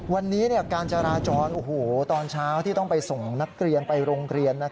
วันนี้การจราจรตอนเช้าที่ต้องไปส่งนักเรียนไปโรงเรียน